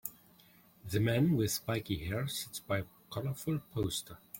The man with spiky hair sits by a colorful poster